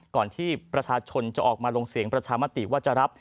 ก่อนที่ประชาชนจะออกมาลงเสียงประชามติว่าจะรับ